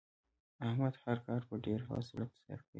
احمد هر کار په ډېره حوصله ترسره کوي.